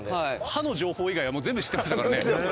歯の情報以外はもう全部知ってましたからね。